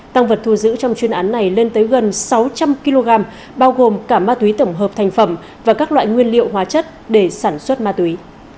tăng vật thu giữ trong chuyên án này lên tới gần sáu trăm linh kg bao gồm cả ma túy tổng hợp thành phẩm và các loại nguyên liệu hóa chất để sản xuất ma túy